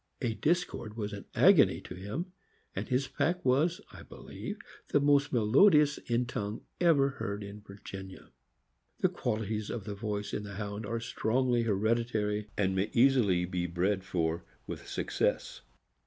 A discord was an agony to him, and his pack was, I believe, the most melo dious in tongue ever heard in Virginia, The qualities of the voice in the Hound are strongly hereditary, and may easily be bred for with success.